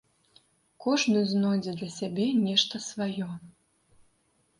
Кожны знойдзе для сябе нешта сваё.